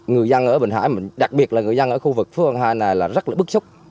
người dân ở bình hải đặc biệt là người dân ở khu vực phương hải này là rất là bức xúc